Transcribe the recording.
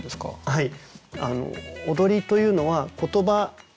はい。